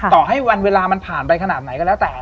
ต่อให้วันเวลามันผ่านไปขนาดไหนก็แล้วแต่